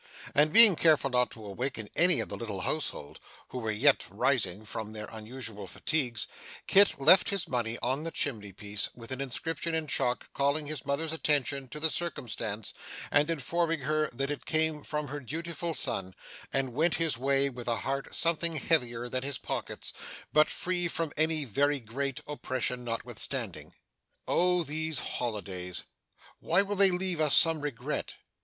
And being careful not to awaken any of the little household, who were yet resting from their unusual fatigues, Kit left his money on the chimney piece, with an inscription in chalk calling his mother's attention to the circumstance, and informing her that it came from her dutiful son; and went his way, with a heart something heavier than his pockets, but free from any very great oppression notwithstanding. Oh these holidays! why will they leave us some regret?